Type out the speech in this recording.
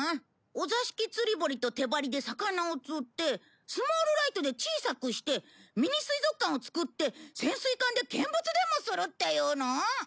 ぼりと手ばりで魚を釣ってスモールライトで小さくしてミニ水族館を作って潜水艦で見物でもするっていうの？